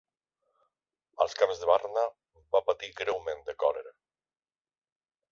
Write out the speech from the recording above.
Als camps de Varna va patir greument de còlera.